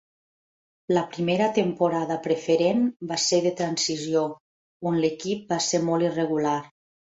La primera temporada a Preferent va ser de transició, on l'equip va ser molt irregular.